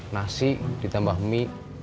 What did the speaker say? nasi ditambah mie